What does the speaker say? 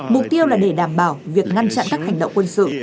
mục tiêu là để đảm bảo việc ngăn chặn các hành động quân sự